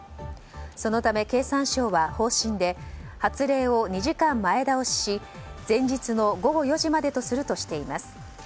そのため経産省は方針で発令を２時間前倒しし前日の午後４時までとするとしています。